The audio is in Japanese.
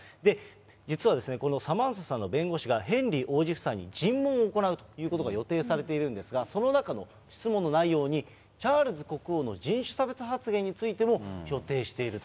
実は、このサマンサさんの弁護士がヘンリー王子夫妻に尋問を行うということが予定されているんですが、その中の質問の内容に、チャールズ国王の人種差別発言についても予定していると。